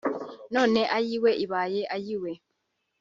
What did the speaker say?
none ‘Ayiwe’ ibaye ‘Ayiwe’